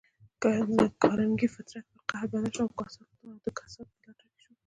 د کارنګي فطرت پر قهر بدل شو او د کسات په لټه کې شو.